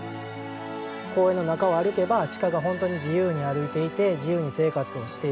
公園の中を歩けば鹿が本当に自由に歩いていて自由に生活をしている。